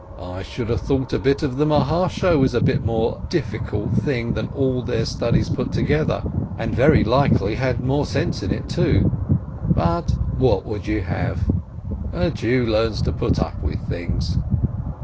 I should have thought a bit of the Maharsho was a more difficult thing than all their studies put together, and very likely had more sense in it, too. But what would you have ? A Jew learns to put up with things.